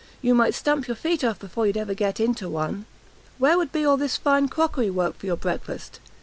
you might stump your feet off before you'd ever get into one. Where would be all this fine crockery work for your breakfast?